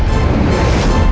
aku akan menangkapmu